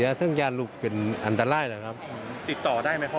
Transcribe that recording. ตอนเน้นคิดกันอย่างไรแล้วติดต่อกันไม่ได้